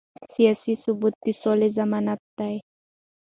سیاسي ثبات د سولې ضمانت دی